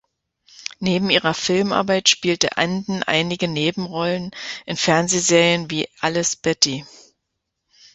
Neben ihrer Filmarbeit spielte Anden einige Nebenrollen in Fernsehserien wie "Alles Betty!